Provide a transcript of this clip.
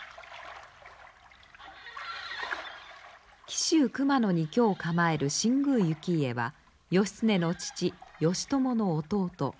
紀州熊野に居を構える新宮行家は義経の父義朝の弟。